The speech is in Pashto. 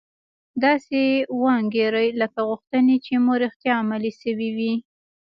داسې و انګیرئ لکه غوښتنې چې مو رښتیا عملي شوې وي